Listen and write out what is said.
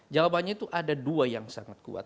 jawabannya itu ada dua yang sangat kuat